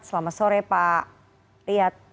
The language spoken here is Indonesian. selamat sore pak riyad